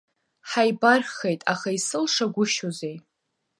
Ҳаибарххеит, аха исылшагәышьозеи?